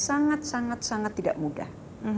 sangat sangat tidak mudah